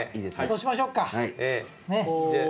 そうしましょっか。を？